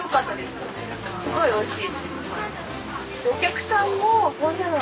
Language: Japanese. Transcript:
すごいおいしい。